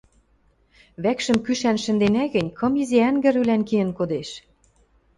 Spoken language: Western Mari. — Вӓкшӹм кӱшӓн шӹнденӓ гӹнь, кым изи ӓнгӹр ӱлӓн киэн кодеш.